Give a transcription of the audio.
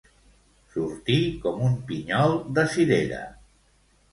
Sortir com un pinyol de cirera.